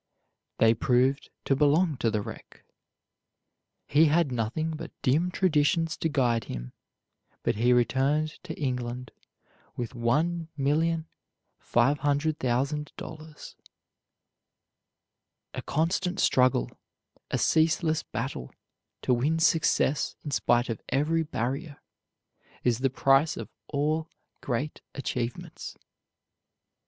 They proved to belong to the wreck. He had nothing but dim traditions to guide him, but he returned to England with $1,500,000. A constant struggle, a ceaseless battle to win success in spite of every barrier, is the price of all great achievements.